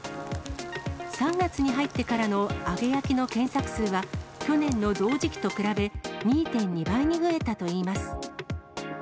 ３月に入ってからの揚げ焼きの検索数は、去年の同時期と比べ、２．２倍に増えたといいます。